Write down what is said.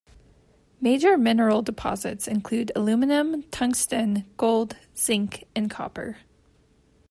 Major mineral deposits include aluminum, tungsten, gold, zinc, and copper.